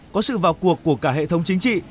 có sự vào cuộc của cả hệ thống chính trị